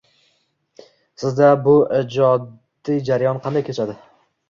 Sizda bu ijodiy jarayon qanday kechadi